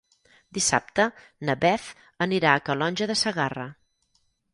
Dissabte na Beth anirà a Calonge de Segarra.